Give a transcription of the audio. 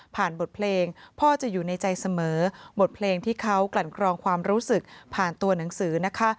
บทเพลงพ่อจะอยู่ในใจเสมอบทเพลงที่เขากลั่นกรองความรู้สึกผ่านตัวหนังสือนะคะ